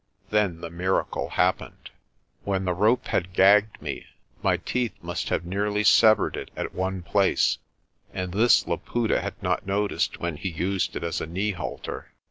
Then the miracle happened. When the rope had gagged me, my teeth must have nearly severed it at one place, and this Laputa had not noticed when he used it as a knee halter.